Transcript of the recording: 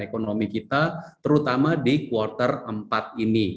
ekonomi kita terutama di quarter empat ini